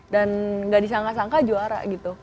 dan gak disangka sangka juara gitu